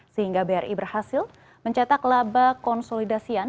sehingga bri berhasil mencetak laba konsolidasian